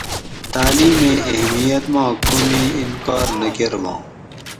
تعلیمیں اہمیت ما کومی انکار نہ کٞرباں